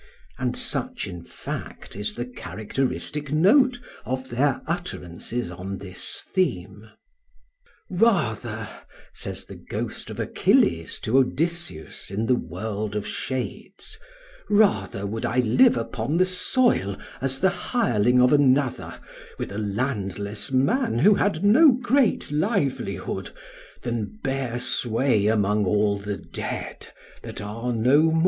And such, in fact, is the characteristic note of their utterances on this theme. "Rather," says the ghost of Achilles to Odysseus in the world of shades, "rather would I live upon the soil as the hireling of another, with a landless man who had no great livelihood, than bear sway among all the dead that are no more."